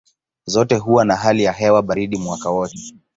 Zote huwa na hali ya hewa baridi mwaka wote.